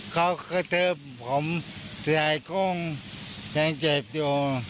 เขากระเทิบผมใส่กุ้งยังเจ็บอยู่